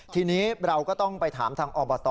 ทีนี้เราก็ต้องไปถามทางอบต